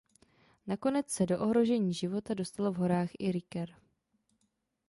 Nakonec se do ohrožení života dostal v horách i Riker.